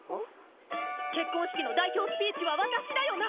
結婚式の代表スピーチは私だよな？